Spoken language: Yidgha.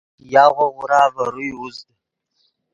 یاغو غورا ڤے روئے اوزد